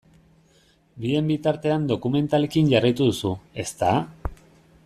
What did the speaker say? Bien bitartean dokumentalekin jarraitu duzu, ezta?